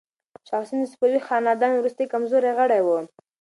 شاه حسین د صفوي خاندان وروستی کمزوری غړی و.